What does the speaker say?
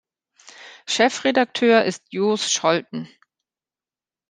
Chefredakteur ist Jos Scholten.